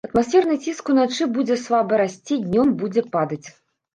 Атмасферны ціск уначы будзе слаба расці, днём будзе падаць.